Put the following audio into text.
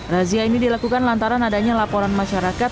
razia ini dilakukan lantaran adanya laporan masyarakat